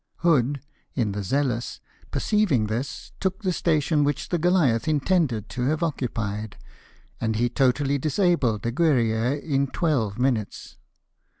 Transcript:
Hood, in the Zealous, perceiving this, took the station which the Goliath intended to have occupied, and he totally disabled the Guerrier in twelve minutes.